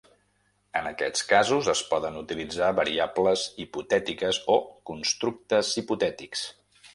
En aquests casos es poden utilitzar variables hipotètiques o constructes hipotètics.